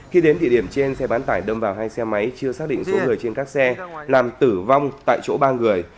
khi đến địa điểm trên xe bán tải đâm vào hai xe máy chưa xác định số người trên các xe làm tử vong tại chỗ ba người